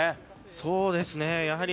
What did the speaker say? そうですね。